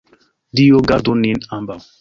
Dio gardu nin ambaŭ!